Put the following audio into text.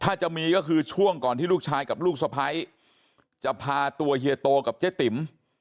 ถ้าจะมีก็คือช่วงก่อนที่ลูกชายกับลูกสะพ้ายจะพาตัวเฮียโตกับเจ๊ติ๋ม